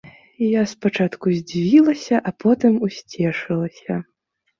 І я спачатку здзівілася, а потым усцешылася.